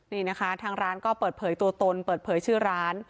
นี่นะคะทางร้านก็เปิดเผยตัวตนเปิดเผยชื่อร้าน